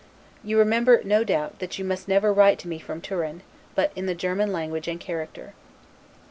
You remember, no doubt, that you must never write to me from Turin, but in the German language and character.